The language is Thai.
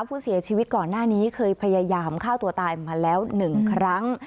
ผู้เสียชีวิตก่อนหน้านี้เคยพยายามฆ่าตัวตายมาแล้ว๑ครั้ง